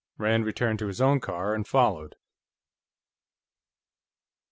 Rand returned to his own car and followed.